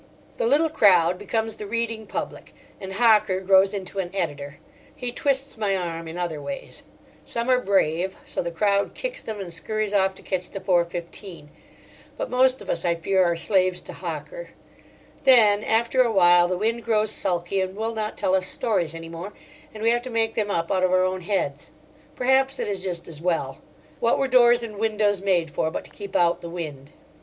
The little crowd becomes the reading public, and Hocker grows into an editor; he twists my arm in other ways. Some are brave, so the crowd kicks them and scurries off to catch the four fifteen. But most of us, I fear, are slaves to Hocker. Then, after awhile, the wind grows sulky and will not tell us stories any more, and we have to make them up out of our own heads. Perhaps it is just as well. What were doors and windows made for but to keep out the wind.